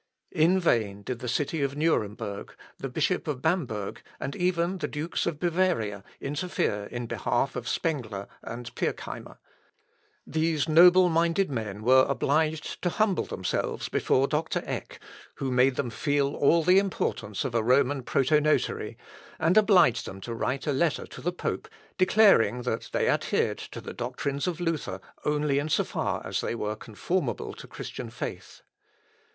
In vain did the city of Nuremberg, the Bishop of Bamberg, and even the dukes of Bavaria interfere in behalf of Spengler and Pirckheimer; these noble minded men were obliged to humble themselves before Dr. Eck, who made them feel all the importance of a Roman protonotary, and obliged them to write a letter to the pope, declaring that they adhered to the doctrines of Luther only in so far as they were conformable to Christian faith.